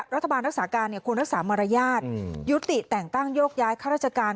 รัฐบาลรักษาการควรรักษามารยาทยุติแต่งตั้งโยกย้ายข้าราชการ